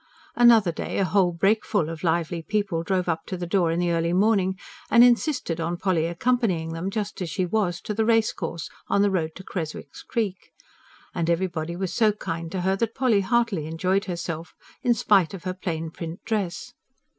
Another day a whole brakeful of lively people drove up to the door in the early morning, and insisted on Polly accompanying them, just as she was, to the Racecourse on the road to Creswick's Creek. And everybody was so kind to her that Polly heartily enjoyed herself, in spite of her plain print dress.